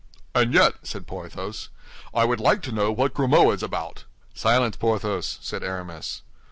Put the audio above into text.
"And yet," said Porthos, "I would like to know what Grimaud is about." "Silence, Porthos!" said Aramis.